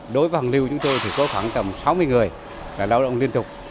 đối với hàng lưu chúng tôi có khoảng sáu mươi người lao động liên tục